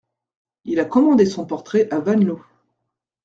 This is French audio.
Il a commandé son portrait à Van Loo.